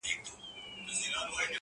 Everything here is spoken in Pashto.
ناځوانه ښه ښېرا قلندري کړې ده!